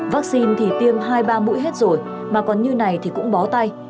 vaccine thì tiêm hai ba mũi hết rồi mà còn như này thì cũng bó tay